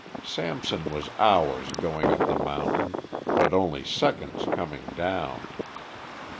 Samson was hours going up the mountain, but only seconds coming down.